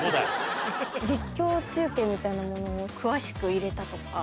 みたいなものを詳しく入れたとか。